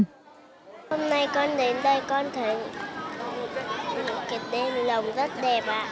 hôm nay con đến đây con thấy những cái đèn lồng rất đẹp ạ